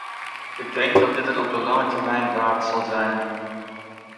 Ik denk dat dit het op de lange termijn waard zal zijn.